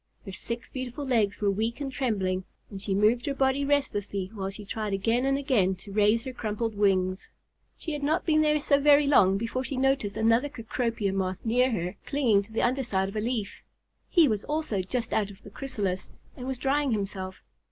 Her six beautiful legs were weak and trembling, and she moved her body restlessly while she tried again and again to raise her crumpled wings. She had not been there so very long before she noticed another Cecropia Moth near her, clinging to the under side of a leaf. He was also just out of the chrysalis and was drying himself.